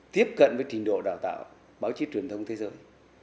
tiếp cận với trình độ đào tạo báo chí truyền thông thế giới